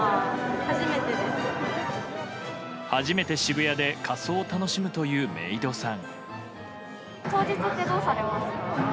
初めて渋谷で仮装を楽しむというメイドさん。